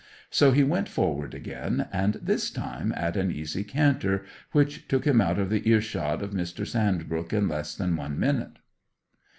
So he went forward again, and this time at an easy canter which took him out of earshot of Mr. Sandbrook in less than one minute.